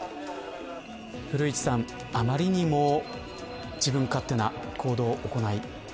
古市さん、あまりにも自分勝手な行動、行い。